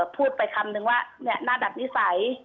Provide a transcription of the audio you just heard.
พูดไปคำนึงว่าหน้าดัดนิสัย